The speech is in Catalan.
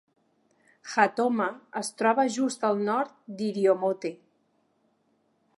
Hatoma es troba just al nord d'Iriomote.